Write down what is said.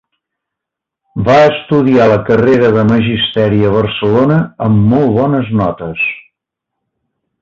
Va estudiar la carrera de Magisteri a Barcelona, amb molt bones notes.